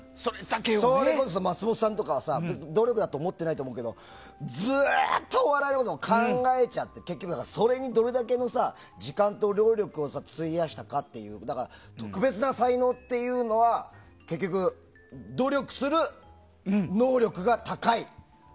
それこそ松本さんとか努力とか思ってないと思うけどずっとお笑いのことを考えちゃってそれにどれだけの時間と労力を費やしたかっていう特別な才能っていうのは結局努力する能力が高い。